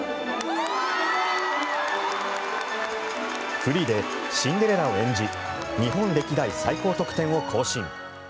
フリーでシンデレラを演じ日本歴代最高得点を更新。